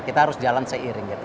kita harus jalan seiring gitu